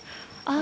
あ。